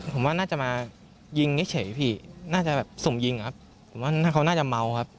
ผมว่าน่าจะมายิงเฉยพี่น่าจะแบบสุ่มยิงครับผมว่าเขาน่าจะเมาครับ